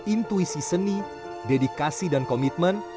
intuisi seni dedikasi dan komitmen